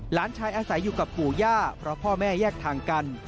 หลานชายอาศัยอยู่กับปู่ย่าเพราะพ่อแม่แยกทางกัน